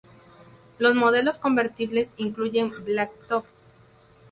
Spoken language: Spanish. Los modelos convertibles incluyen Black Top.